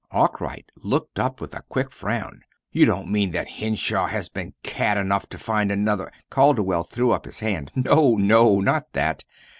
Arkwright looked up with a quick frown. "You don't mean that Henshaw has been cad enough to find another " Calderwell threw up his hand. "No, no, not that!